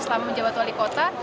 selama menjawab wali kota